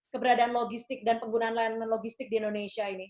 keberadaan logistik dan penggunaan logistik di indonesia ini